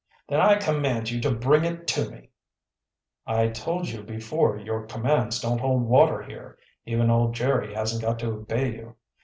"Then I command you to bring it to me." "I told you before your commands don't hold water here. Even old Jerry hasn't got to obey you.